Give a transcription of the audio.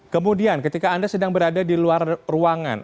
kemudian ketika anda sedang berada di luar ruangan